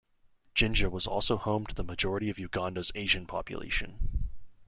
Jinja was also home to the majority of Uganda's Asian population.